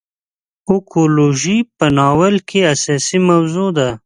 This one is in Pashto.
اکولوژي په ناول کې اساسي موضوع ده.